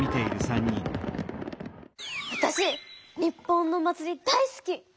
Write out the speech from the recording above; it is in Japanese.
あたし日本のお祭り大すき！